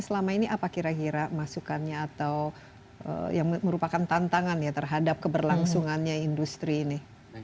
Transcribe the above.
selama ini apa kira kira masukannya atau yang merupakan tantangan ya terhadap keberlangsungannya industri ini